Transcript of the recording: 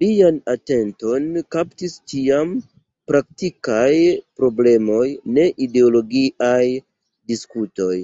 Lian atenton kaptis ĉiam praktikaj problemoj, ne ideologiaj diskutoj.